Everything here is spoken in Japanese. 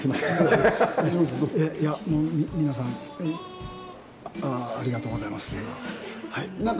いや、はい、皆さん、ありがとうございます、はい。